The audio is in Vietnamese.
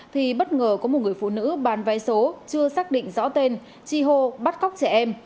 thì bất ngờ có một người phụ nữ bán vé số chưa xác định rõ tên chi hô bắt cóc trẻ em